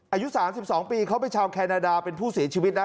อายุ๓๒ปีเขาเป็นชาวแคนาดาเป็นผู้เสียชีวิตนะ